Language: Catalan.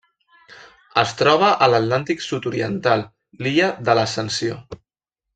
Es troba a l'Atlàntic sud-oriental: l'illa de l'Ascensió.